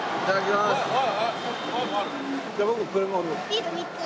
ビール３つ。